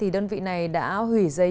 tôi cho rằng là nhất khắp là sai